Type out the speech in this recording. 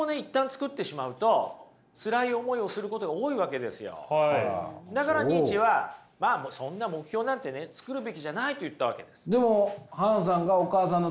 つまりだからニーチェはそんな目標なんてね作るべきじゃないと言ったわけです。